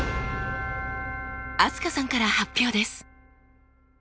飛鳥さんから発表です。